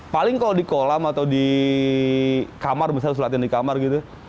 paling kalau di kolam atau di kamar misalnya harus latihan di kamar gitu